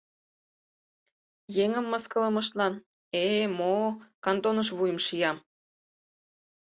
Еҥым мыскылымыштлан, э-э, мо-о, кантоныш вуйым шиям!